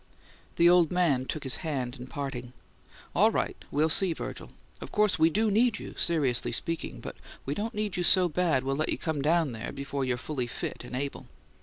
The old man took his hand in parting. "All right; we'll see, Virgil. Of course we do need you, seriously speaking; but we don't need you so bad we'll let you come down there before you're fully fit and able."